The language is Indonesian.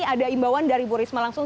ada imbauan dari bu risma langsung